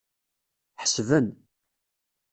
Ḥesben.